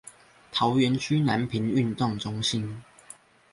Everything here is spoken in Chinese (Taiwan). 桃園區南平運動中心